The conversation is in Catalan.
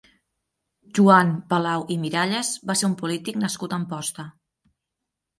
Joan Palau i Miralles va ser un polític nascut a Amposta.